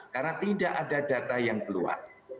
karena tidak ada data yang keluar